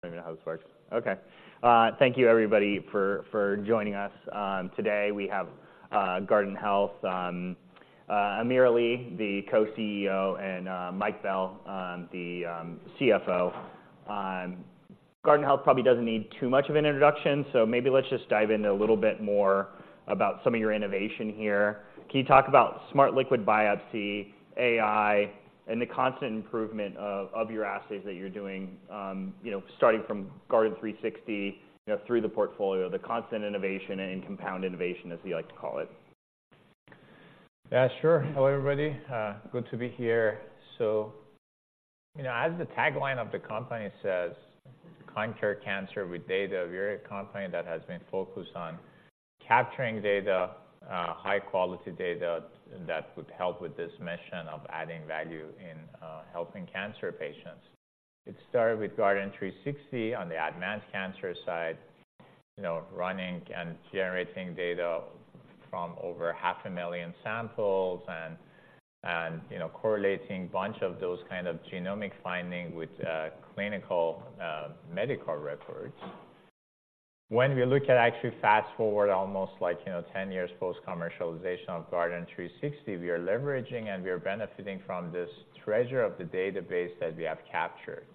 I don't know how this works. Okay. Thank you everybody for joining us. Today, we have Guardant Health, AmirAli, the co-CEO, and Mike Bell, the CFO. Guardant Health probably doesn't need too much of an introduction, so maybe let's just dive into a little bit more about some of your innovation here. Can you talk about smart liquid biopsy, AI, and the constant improvement of your assays that you're doing, you know, starting from Guardant360, you know, through the portfolio, the constant innovation and compound innovation, as we like to call it? Yeah, sure. Hello, everybody. Good to be here. So, you know, as the tagline of the company says, "Conquer cancer with data," we're a company that has been focused on capturing data, high quality data that would help with this mission of adding value in, helping cancer patients. It started with Guardant360 on the advanced cancer side, you know, running and generating data from over 500,000 samples and, you know, correlating a bunch of those kind of genomic findings with, clinical, medical records. When we look at actually fast-forward almost like, you know, 10 years post-commercialization of Guardant360, we are leveraging and we are benefiting from this treasure of the database that we have captured.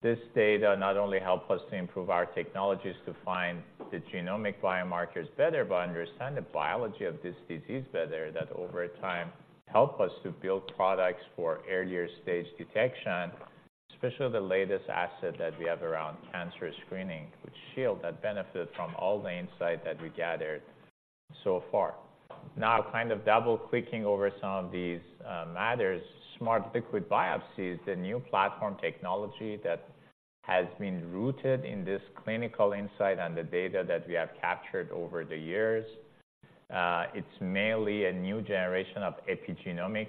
This data not only help us to improve our technologies to find the genomic biomarkers better, but understand the biology of this disease better, that over time, help us to build products for earlier stage detection, especially the latest asset that we have around cancer screening, which Shield that benefit from all the insight that we gathered so far. Now, kind of double-clicking over some of these matters, Smart Liquid Biopsy is the new platform technology that has been rooted in this clinical insight and the data that we have captured over the years. It's mainly a new generation of epigenomic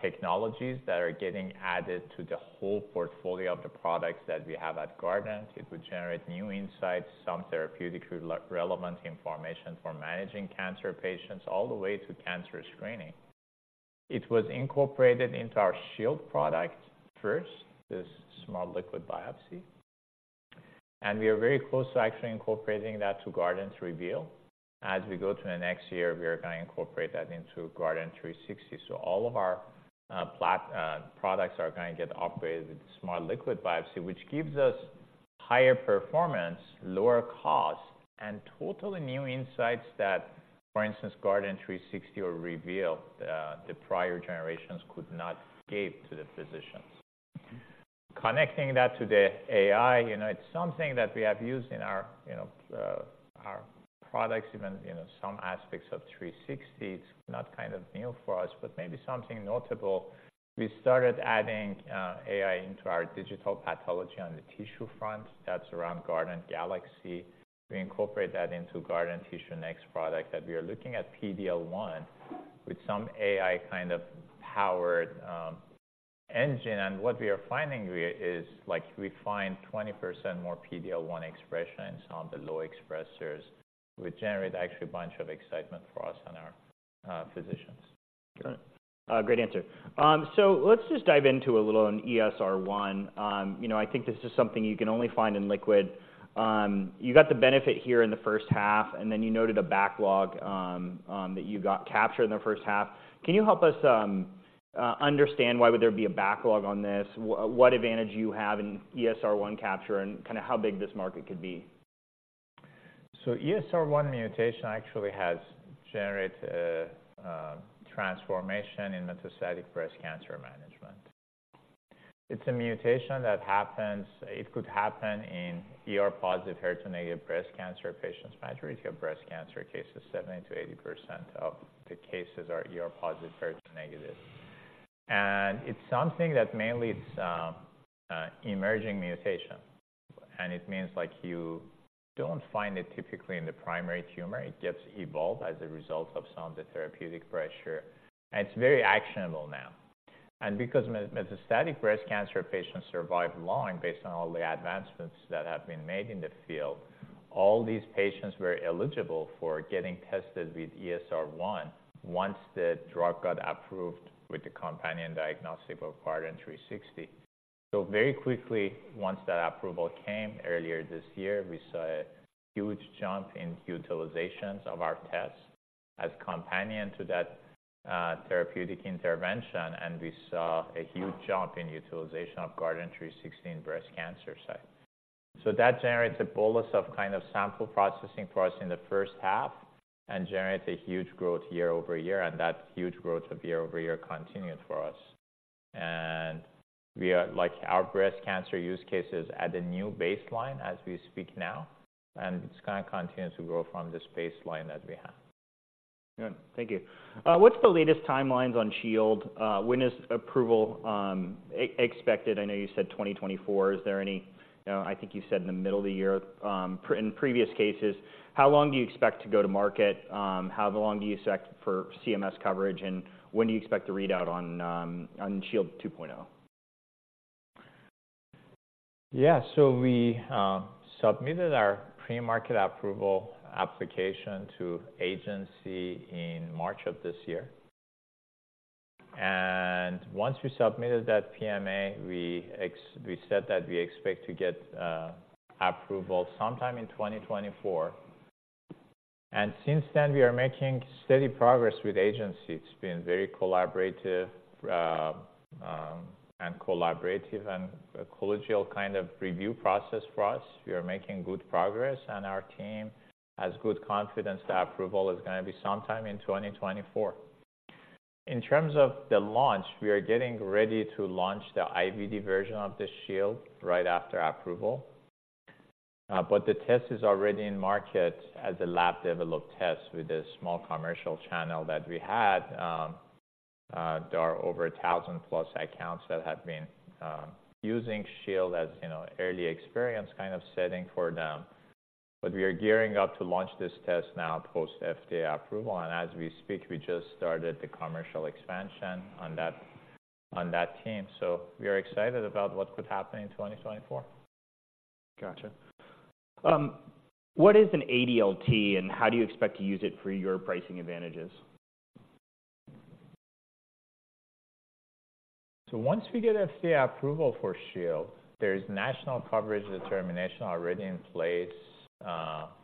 technologies that are getting added to the whole portfolio of the products that we have at Guardant. It would generate new insights, some therapeutically relevant information for managing cancer patients, all the way to cancer screening. It was incorporated into our Shield product first, this Smart Liquid Biopsy, and we are very close to actually incorporating that to Guardant Reveal. As we go to the next year, we are gonna incorporate that into Guardant360. So all of our products are gonna get upgraded with Smart Liquid Biopsy, which gives us higher performance, lower cost, and totally new insights that, for instance, Guardant360 or Reveal, the prior generations could not give to the physicians. Connecting that to the AI, you know, it's something that we have used in our, you know, our products, even, you know, some aspects of 360. It's not kind of new for us, but maybe something notable. We started adding AI into our digital pathology on the tissue front. That's around Guardant Galaxy. We incorporate that into Guardant TissueNext product, that we are looking at PD-L1 with some AI kind of powered engine. And what we are finding is like, we find 20% more PD-L1 expression in some of the low expressors, which generate actually a bunch of excitement for us and our physicians. Good. Great answer. So let's just dive into a little on ESR1. You know, I think this is something you can only find in liquid. You got the benefit here in the first half, and then you noted a backlog that you got captured in the first half. Can you help us understand why would there be a backlog on this? What advantage do you have in ESR1 capture, and kinda how big this market could be? So ESR1 mutation actually has generated a transformation in metastatic breast cancer management. It's a mutation that happens. It could happen in ER-positive, HER2-negative breast cancer patients, majority of breast cancer cases, 70%-80% of the cases are ER-positive, HER2-negative. And it's something that mainly it's emerging mutation, and it means, like, you don't find it typically in the primary tumor. It gets evolved as a result of some of the therapeutic pressure, and it's very actionable now. And because metastatic breast cancer patients survive long based on all the advancements that have been made in the field, all these patients were eligible for getting tested with ESR1 once the drug got approved with the companion diagnostic of Guardant360. So very quickly, once that approval came earlier this year, we saw a huge jump in utilizations of our tests as companion to that, therapeutic intervention, and we saw a huge jump in utilization of Guardant360 in breast cancer site. So that generates a bolus of kind of sample processing for us in the first half and generates a huge growth year-over-year, and that huge growth of year-over-year continued for us. And, we are... Like, our breast cancer use case is at a new baseline as we speak now, and it's gonna continue to grow from this baseline that we have. Good. Thank you. What's the latest timelines on Shield? When is approval expected? I know you said 2024. Is there any... I think you said in the middle of the year. In previous cases, how long do you expect to go to market? How long do you expect for CMS coverage, and when do you expect the readout on, on Shield 2.0? Yeah. So we submitted our pre-market approval application to the agency in March of this year. And once we submitted that PMA, we said that we expect to get approval sometime in 2024. And since then, we are making steady progress with the agency. It's been very collaborative and collaborative, and a collegial kind of review process for us. We are making good progress, and our team has good confidence that approval is gonna be sometime in 2024. In terms of the launch, we are getting ready to launch the IVD version of the Shield right after approval. But the test is already in market as a lab-developed test with a small commercial channel that we had. There are over 1,000+ accounts that have been using Shield as, you know, early experience kind of setting for them. But we are gearing up to launch this test now post-FDA approval, and as we speak, we just started the commercial expansion on that, on that team. So we are excited about what could happen in 2024. Gotcha. What is an ADLT, and how do you expect to use it for your pricing advantages? So once we get FDA approval for Shield, there is National Coverage Determination already in place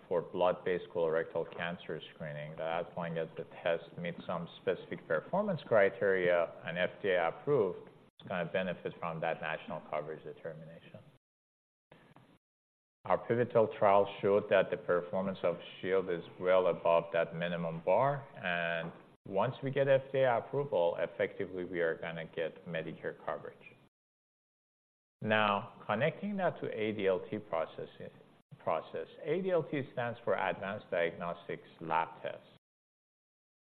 for blood-based colorectal cancer screening, that as long as the test meets some specific performance criteria and FDA-approved, it's gonna benefit from that National Coverage Determination. Our pivotal trial showed that the performance of Shield is well above that minimum bar, and once we get FDA approval, effectively, we are gonna get Medicare coverage. Now, connecting that to ADLT process. ADLT stands for Advanced Diagnostics Lab Test.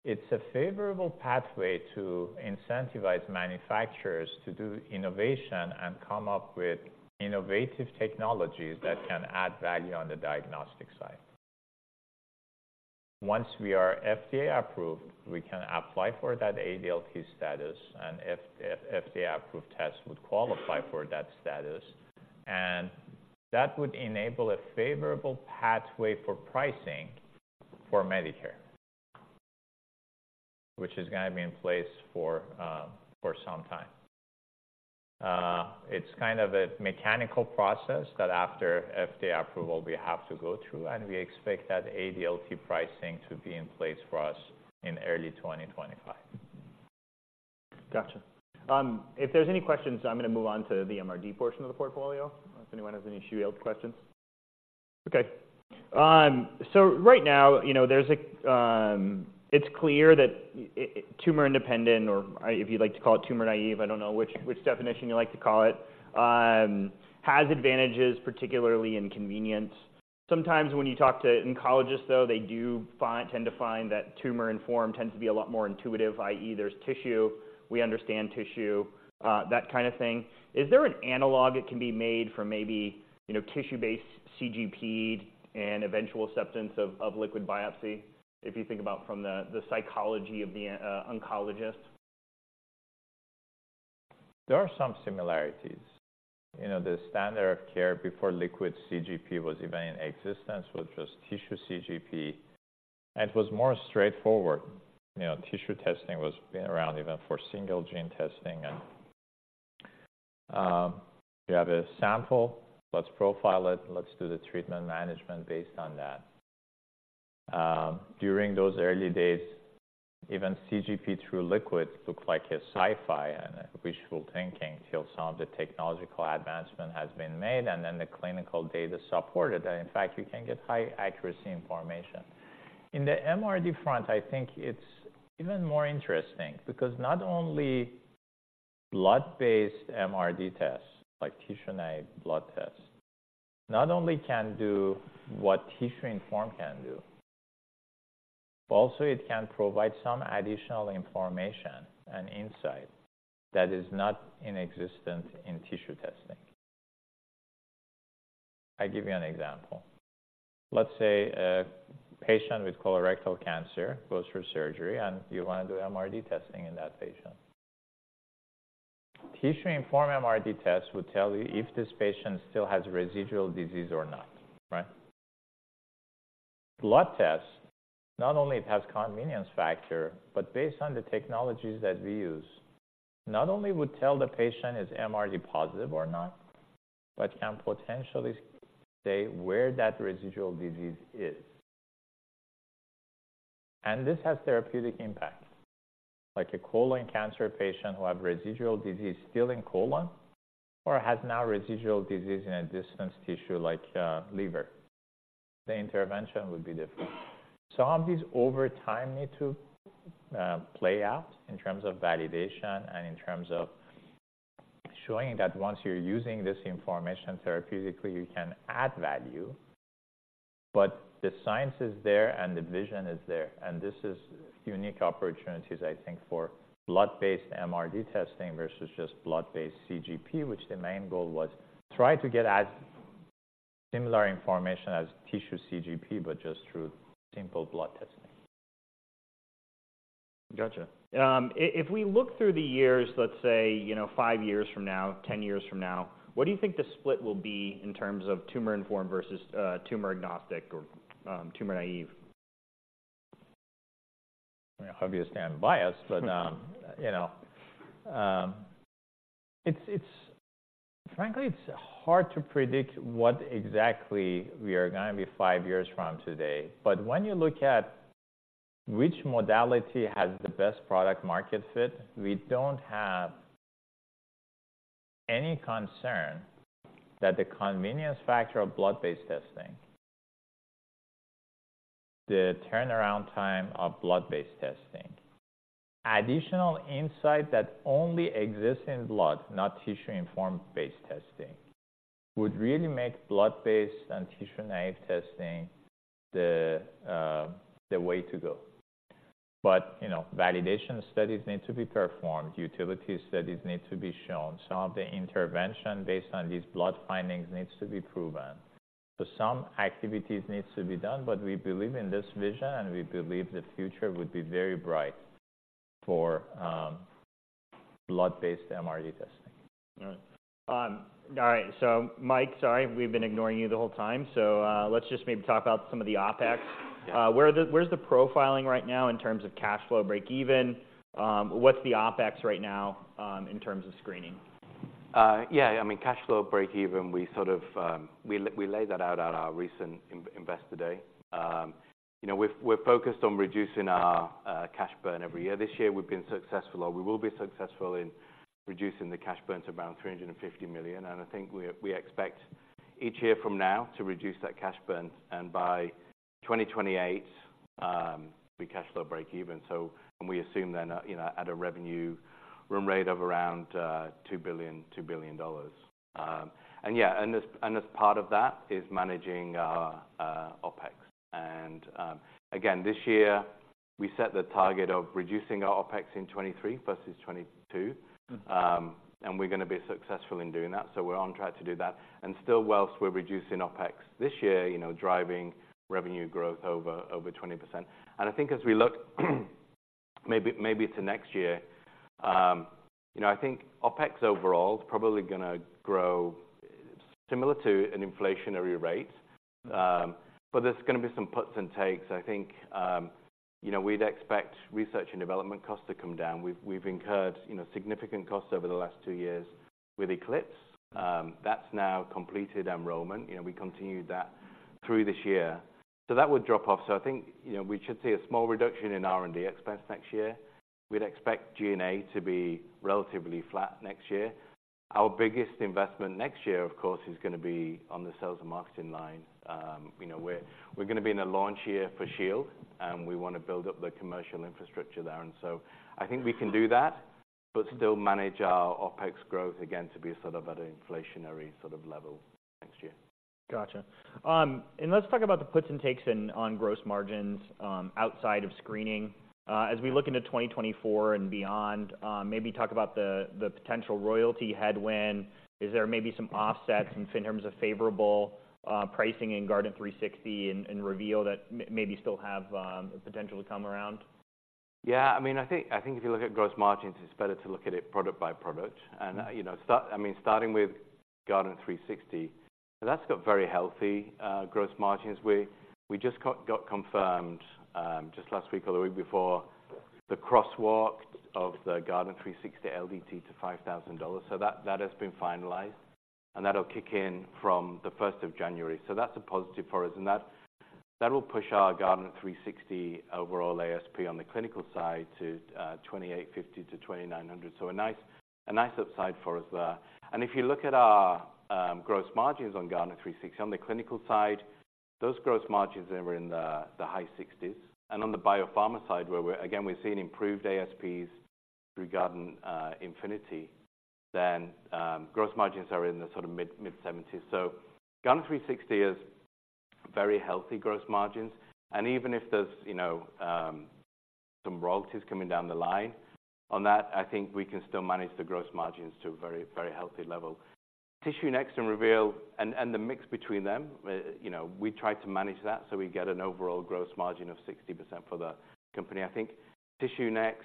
It's a favorable pathway to incentivize manufacturers to do innovation and come up with innovative technologies that can add value on the diagnostic side. Once we are FDA-approved, we can apply for that ADLT status, and FDA-approved tests would qualify for that status, and that would enable a favorable pathway for pricing for Medicare, which is gonna be in place for some time. It's kind of a mechanical process that after FDA approval, we have to go through, and we expect that ADLT pricing to be in place for us in early 2025. Gotcha. If there's any questions, I'm gonna move on to the MRD portion of the portfolio, if anyone has any Shield questions? Okay. So right now, you know, there's a, it's clear that tumor-independent, or if you'd like to call it tumor-naive, I don't know which definition you like to call it, has advantages, particularly in convenience. Sometimes when you talk to oncologists, though, they tend to find that tumor-informed tends to be a lot more intuitive, i.e., there's tissue, we understand tissue, that kind of thing. Is there an analog that can be made for maybe, you know, tissue-based CGP and eventual acceptance of liquid biopsy? If you think about from the psychology of the oncologist. There are some similarities. You know, the standard of care before liquid CGP was even in existence was just tissue CGP, and it was more straightforward. You know, tissue testing has been around even for single gene testing, and, you have a sample, let's profile it, let's do the treatment management based on that. During those early days, even CGP through liquid looked like a sci-fi and wishful thinking till some of the technological advancement has been made, and then the clinical data supported that. In fact, you can get high accuracy information. In the MRD front, I think it's even more interesting because not only blood-based MRD tests, like tissue-naive blood tests, not only can do what tissue-informed can do, but also it can provide some additional information and insight that is not in existence in tissue testing. I give you an example. Let's say a patient with colorectal cancer goes for surgery, and you wanna do MRD testing in that patient. Tissue-informed MRD test would tell you if this patient still has residual disease or not, right? Blood test, not only it has convenience factor, but based on the technologies that we use, not only would tell the patient is MRD positive or not, but can potentially say where that residual disease is. And this has therapeutic impact, like a colon cancer patient who have residual disease still in colon or has now residual disease in a distant tissue like, liver. The intervention would be different. Some of these over time need to play out in terms of validation and in terms of showing that once you're using this information therapeutically, you can add value, but the science is there and the vision is there, and this is unique opportunities, I think, for blood-based MRD testing versus just blood-based CGP, which the main goal was try to get as similar information as tissue CGP, but just through simple blood testing. Gotcha. If we look through the years, let's say, you know, five years from now, 10 years from now, what do you think the split will be in terms of tumor-informed versus tumor-agnostic or tumor-naive? Obviously, I'm biased, but, you know, frankly, it's hard to predict what exactly we are gonna be five years from today. But when you look at which modality has the best product-market fit, we don't have any concern that the convenience factor of blood-based testing, the turnaround time of blood-based testing, additional insight that only exists in blood, not tissue-informed-based testing, would really make blood-based and tissue-naive testing the way to go. But, you know, validation studies need to be performed, utility studies need to be shown. Some of the intervention based on these blood findings needs to be proven. So some activities needs to be done, but we believe in this vision, and we believe the future would be very bright for blood-based MRD testing. All right. All right, so Mike, sorry, we've been ignoring you the whole time. So, let's just maybe talk about some of the OpEx. Yeah. Where's the profiling right now in terms of cash flow breakeven? What's the OpEx right now, in terms of screening? Yeah, I mean, cash flow breakeven, we sort of, we laid that out at our recent investor day. You know, we've, we're focused on reducing our cash burn every year. This year, we've been successful, or we will be successful in reducing the cash burn to around $350 million, and I think we expect each year from now to reduce that cash burn, and by 2028, be cash flow breakeven. So... And we assume then, you know, at a revenue run rate of around $2 billion. And yeah, and as, and as part of that is managing our OpEx. And, again, this year, we set the target of reducing our OpEx in 2023 versus 2022. Mm-hmm. We're gonna be successful in doing that, so we're on track to do that. Still, while we're reducing OpEx this year, you know, driving revenue growth over 20%. I think as we look maybe to next year, you know, I think OpEx overall is probably gonna grow similar to an inflationary rate. But there's gonna be some puts and takes. I think, you know, we'd expect research and development costs to come down. We've incurred, you know, significant costs over the last two years with ECLIPSE. That's now completed enrollment, you know, we continued that through this year. So that would drop off. So I think, you know, we should see a small reduction in R&D expense next year. We'd expect G&A to be relatively flat next year. Our biggest investment next year, of course, is gonna be on the sales and marketing line. You know, we're gonna be in a launch year for Shield, and we want to build up the commercial infrastructure there. So I think we can do that, but still manage our OpEx growth again to be sort of at an inflationary sort of level next year. Gotcha. And let's talk about the puts and takes in on gross margins, outside of screening. As we look into 2024 and beyond, maybe talk about the potential royalty headwind. Is there maybe some offsets in terms of favorable pricing in Guardant360 and Reveal that maybe still have the potential to come around? Yeah, I mean, I think, I think if you look at gross margins, it's better to look at it product by product. Mm-hmm. You know, I mean, starting with Guardant360, that's got very healthy gross margins. We just got confirmed just last week or the week before, the crosswalk of the Guardant360 LDT to $5,000. So that has been finalized, and that'll kick in from the first of January. So that's a positive for us, and that will push our Guardant360 overall ASP on the clinical side to $2,850-$2,900. So a nice upside for us there. And if you look at our gross margins on Guardant360, on the clinical side, those gross margins are in the high 60%. And on the biopharma side, where we're again, we're seeing improved ASPs through Guardant Infinity, then gross margins are in the sort of mid 70%. So Guardant360 has very healthy gross margins, and even if there's, you know, some royalties coming down the line, on that, I think we can still manage the gross margins to a very, very healthy level. TissueNext and Reveal, and the mix between them, you know, we try to manage that, so we get an overall gross margin of 60% for the company. I think TissueNext,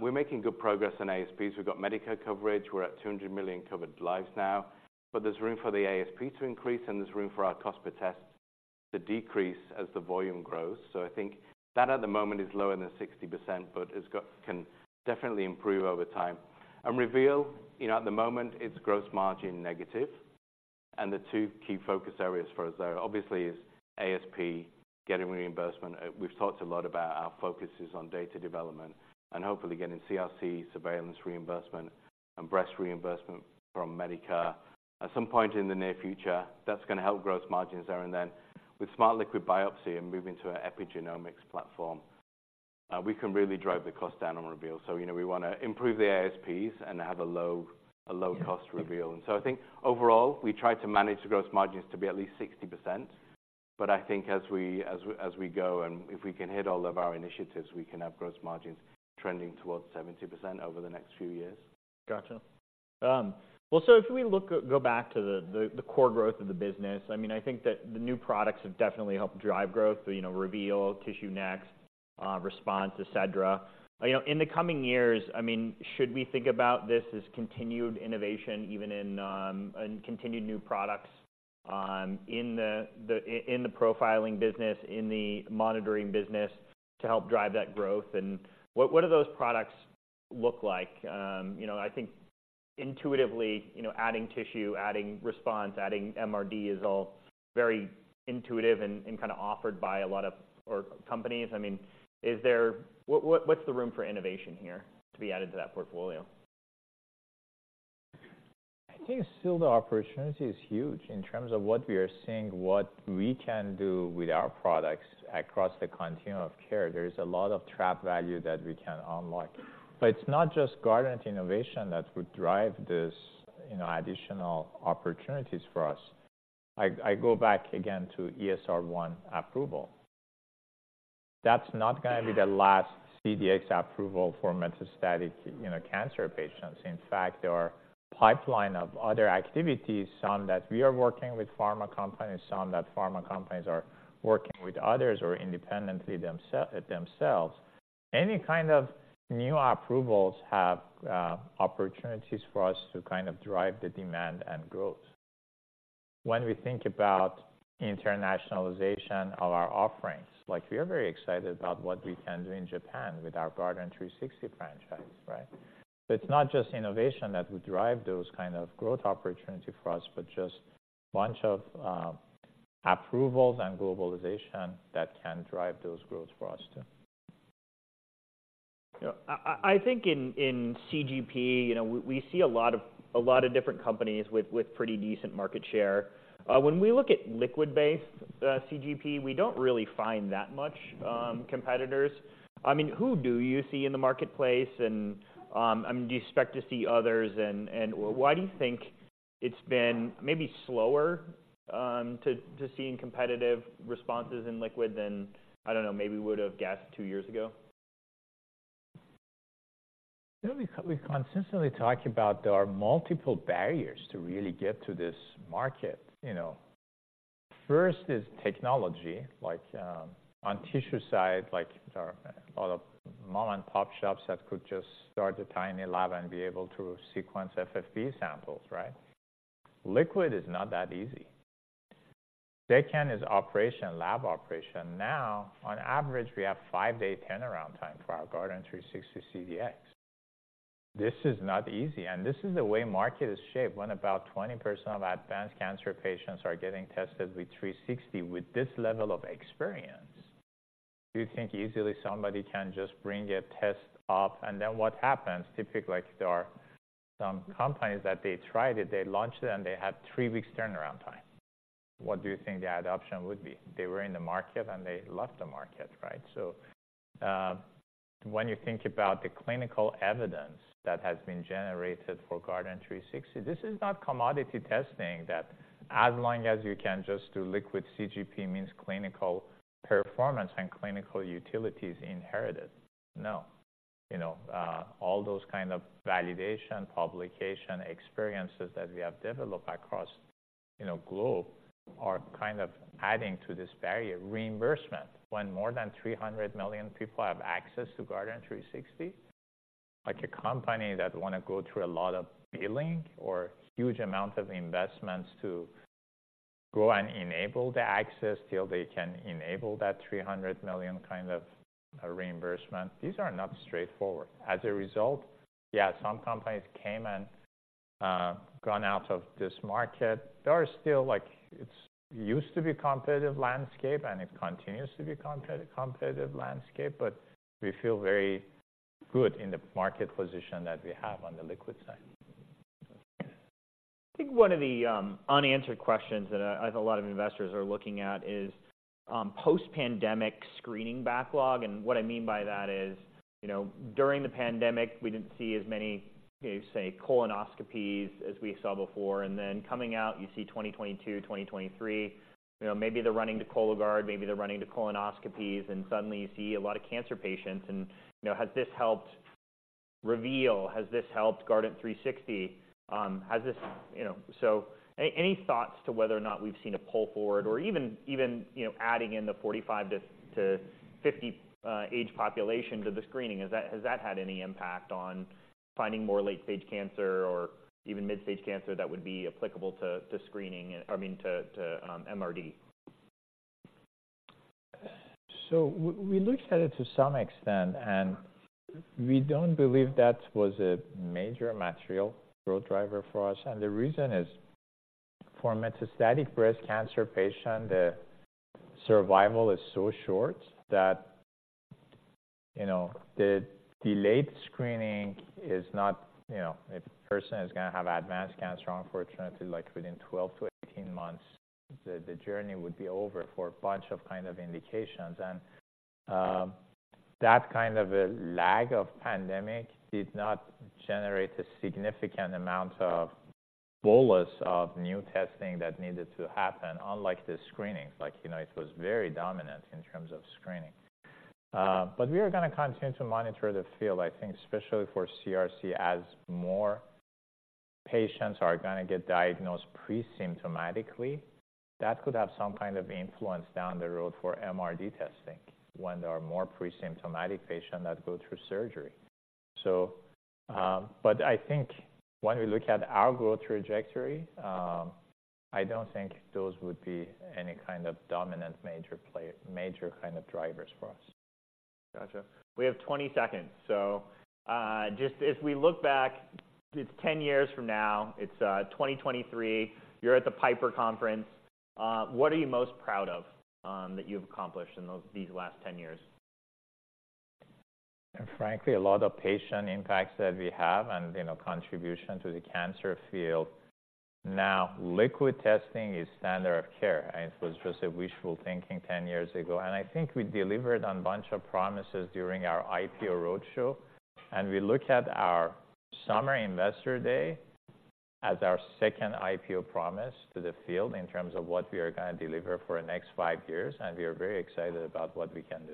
we're making good progress on ASPs. We've got Medicare coverage. We're at 200 million covered lives now, but there's room for the ASP to increase, and there's room for our cost per test to decrease as the volume grows. So I think that, at the moment, is lower than 60%, but it can definitely improve over time. Reveal, you know, at the moment, it's gross margin negative, and the two key focus areas for us there, obviously, is ASP, getting reimbursement. We've talked a lot about our focuses on data development and hopefully getting CRC surveillance reimbursement and breast reimbursement from Medicare. At some point in the near future, that's gonna help gross margins there, and then with smart liquid biopsy and moving to an epigenomics platform, we can really drive the cost down on Reveal. So, you know, we wanna improve the ASPs and have a low-cost Reveal. Mm-hmm. I think overall, we try to manage the gross margins to be at least 60%, but I think as we go, and if we can hit all of our initiatives, we can have gross margins trending towards 70% over the next few years. Gotcha. Well, so if we look at—go back to the core growth of the business, I mean, I think that the new products have definitely helped drive growth, you know, Reveal, TissueNext, Response, etc. You know, in the coming years, I mean, should we think about this as continued innovation, even in continued new products, in the profiling business, in the monitoring business, to help drive that growth? And what do those products look like? You know, I think intuitively, you know, adding tissue, adding Response, adding MRD is all very intuitive and kind of offered by a lot of companies. I mean, is there—What’s the room for innovation here to be added to that portfolio? I think still the opportunity is huge in terms of what we are seeing, what we can do with our products across the continuum of care. There is a lot of trap value that we can unlock. But it's not just Guardant innovation that would drive this, you know, additional opportunities for us. I, I go back again to ESR1 approval. That's not gonna be the last CDx approval for metastatic, you know, cancer patients. In fact, there are pipeline of other activities, some that we are working with pharma companies, some that pharma companies are working with others or independently themselves. Any kind of new approvals have opportunities for us to kind of drive the demand and growth. When we think about internationalization of our offerings, like, we are very excited about what we can do in Japan with our Guardant360 franchise, right? It's not just innovation that would drive those kind of growth opportunity for us, but just a bunch of approvals and globalization that can drive those growth for us, too. Yeah. I think in CGP, you know, we see a lot of different companies with pretty decent market share. When we look at liquid-based CGP, we don't really find that much competitors. I mean, who do you see in the marketplace? And I mean, do you expect to see others, and why do you think it's been maybe slower to seeing competitive responses in liquid than, I don't know, maybe we would have guessed two years ago? You know, we consistently talk about there are multiple barriers to really get to this market, you know. First is technology, like, on tissue side, like, there are a lot of mom-and-pop shops that could just start a tiny lab and be able to sequence FFPE samples, right? Liquid is not that easy. Second is operation, lab operation. Now, on average, we have five-day turnaround time for our Guardant360 CDx. This is not easy, and this is the way market is shaped when about 20% of advanced cancer patients are getting tested with 360 with this level of experience. Do you think easily somebody can just bring a test up, and then what happens? Typically, like, there are some companies that they tried it, they launched it, and they had three weeks turnaround time. What do you think the adoption would be? They were in the market, and they left the market, right? So, when you think about the clinical evidence that has been generated for Guardant360, this is not commodity testing, that as long as you can just do liquid CGP means clinical performance and clinical utilities inherited. No. You know, all those kind of validation, publication, experiences that we have developed across, you know, globe are kind of adding to this barrier. Reimbursement. When more than 300 million people have access to Guardant360, like a company that wanna go through a lot of billing or huge amount of investments to go and enable the access till they can enable that 300 million kind of reimbursement, these are not straightforward. As a result, yeah, some companies came and, gone out of this market. There are still, like... It used to be competitive landscape, and it continues to be competitive, competitive landscape, but we feel very good in the market position that we have on the liquid side. I think one of the unanswered questions that I think a lot of investors are looking at is post-pandemic screening backlog. And what I mean by that is, you know, during the pandemic, we didn't see as many, say, colonoscopies as we saw before, and then coming out, you see 2022, 2023, you know, maybe they're running to Cologuard, maybe they're running to colonoscopies, and suddenly you see a lot of cancer patients. And, you know, has this helped Reveal? Has this helped Guardant360? Has this, you know... So any thoughts to whether or not we've seen a pull forward or even, you know, adding in the 45-50 age population to the screening, has that had any impact on finding more late-stage cancer or even mid-stage cancer that would be applicable to MRD? So we looked at it to some extent, and we don't believe that was a major material growth driver for us. And the reason is, for metastatic breast cancer patient, the survival is so short that, you know, the delayed screening is not, you know, if a person is gonna have advanced cancer, unfortunately, like within 12-18 months, the journey would be over for a bunch of kind of indications. And that kind of a lag of pandemic did not generate a significant amount of bolus of new testing that needed to happen, unlike the screenings. Like, you know, it was very dominant in terms of screening. But we are gonna continue to monitor the field, I think, especially for CRC, as more patients are gonna get diagnosed pre-symptomatically. That could have some kind of influence down the road for MRD testing when there are more pre-symptomatic patients that go through surgery. So, but I think when we look at our growth trajectory, I don't think those would be any kind of dominant major kind of drivers for us. Gotcha. We have 20 seconds. So, just as we look back, it's 10 years from now, it's 2023, you're at the Piper Conference, what are you most proud of, that you've accomplished in these last 10 years? Frankly, a lot of patient impacts that we have and, you know, contribution to the cancer field. Now, liquid testing is standard of care, and it was just a wishful thinking 10 years ago. I think we delivered on a bunch of promises during our IPO roadshow, and we look at our summer investor day as our second IPO promise to the field in terms of what we are gonna deliver for the next five years, and we are very excited about what we can do.